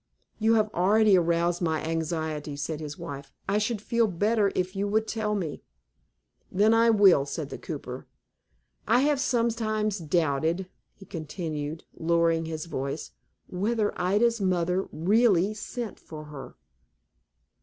"You have already aroused my anxiety," said his wife. "I should feel better if you would tell me." "Then I will," said the cooper. "I have sometimes doubted," he continued, lowering his voice, "whether Ida's mother really sent for her."